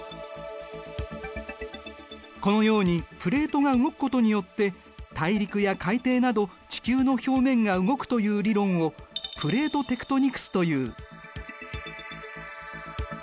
このようにプレートが動くことによって大陸や海底など地球の表面が動くという理論をプレートテクトニクスという。